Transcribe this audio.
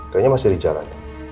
kayaknya masih di jalan